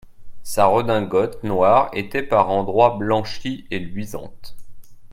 Sa redingote noire était par endroits blanchie et luisante.